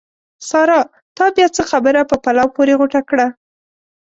سارا! تا بیا څه خبره په پلو پورې غوټه کړه؟!